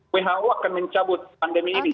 who akan mencabut pandemi ini